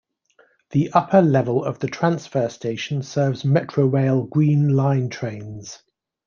The upper level of the transfer station serves Metrorail Green Line trains.